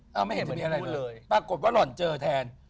เขากดเปล่างคลองนอก